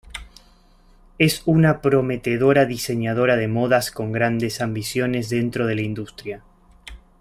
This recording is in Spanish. Es una prometedora diseñadora de modas con grandes ambiciones dentro de la industria.